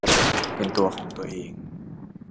เป็นตัวของตัวเอง